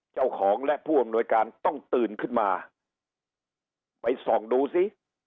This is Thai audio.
เจ้าของและผู้อำนวยการต้องตื่นขึ้นมาไปส่องดูซิ